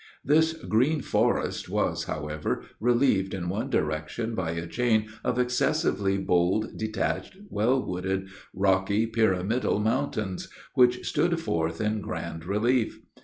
This green forest was, however, relieved in one direction by a chain of excessively bold, detached, well wooded, rocky, pyramidal mountains, which stood forth in grand relief.